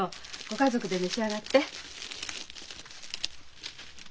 ご家族で召し上がって。